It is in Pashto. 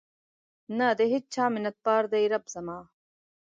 نه د هیچا منتبار دی رب زما